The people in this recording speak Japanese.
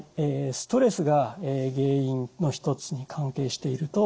ストレスが原因の１つに関係しているといわれています。